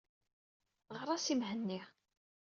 Ɣeṛ-as i Mhenni.